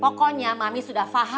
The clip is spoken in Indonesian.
pokoknya mami sudah paksa